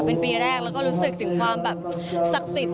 เป็นปีแรกแล้วก็รู้สึกถึงความแบบศักดิ์สิทธิ